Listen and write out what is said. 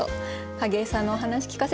景井さんのお話聞かせて下さい。